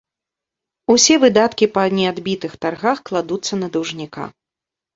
Усе выдаткі па неадбытых таргах кладуцца на даўжніка.